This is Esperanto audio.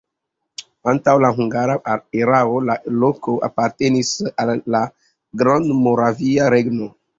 Antaŭ la hungara erao la loko apartenis al la Grandmoravia Regno.